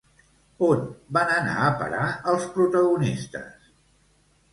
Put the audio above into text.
On van anar a parar els protagonistes?